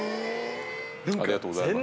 ありがとうございます。